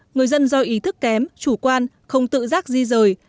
người dân do ý thức kém chủ quan không tự giác di rời